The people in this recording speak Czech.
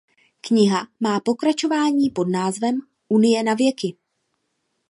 Kniha má pokračování pod názvem "Unie navěky".